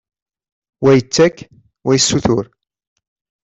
Wa yettak, wa yessutur.